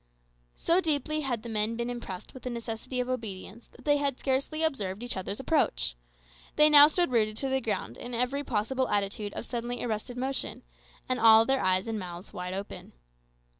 So deeply had the men been impressed with the necessity of obedience that they had scarcely observed each other's approach. They now stood rooted to the ground in every possible attitude of suddenly arrested motion, and all with their eyes and mouths wide open.